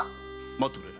待ってくれ。